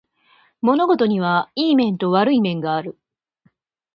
物事にはいい面と悪い面がある